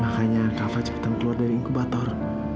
makanya kava cepetan keluar dari inkubator